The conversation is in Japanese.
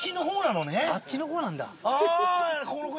あっちの方なんだ。